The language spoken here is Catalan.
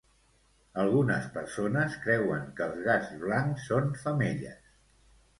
Algunes persones creuen que els gats blancs són femelles.